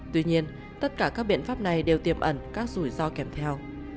tuy nhiên tất cả các biện pháp này đều tiềm ẩn các rủi ro kèm theo